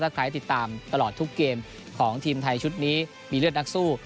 ใครติดตามตลอดทุกเกมของทีมไทยชุดนี้มีเลือดนักสู้